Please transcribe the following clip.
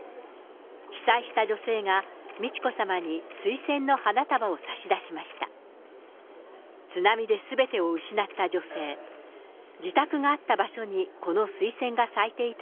被災した女性が美智子さまに水仙の花束を差し出しました。